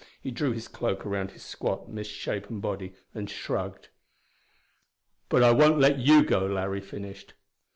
He drew his cloak around his squat misshapen body, and shrugged. "But I won't let you go," Larry finished.